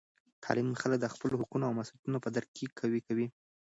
تعلیم خلک د خپلو حقونو او مسؤلیتونو په درک کې قوي کوي.